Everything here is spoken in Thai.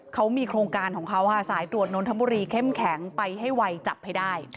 เขามีโครงการของเขาค่ะสายตรวจนนทบุรีเข้มแข็งไปให้ไวจับให้ได้